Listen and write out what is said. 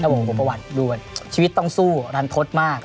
ถ้าบอกว่าเป็นประวัติดูว่าชีวิตต้องสู้รันทศมาก